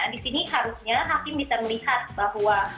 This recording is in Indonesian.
di sini harusnya hakim bisa melihat bahwa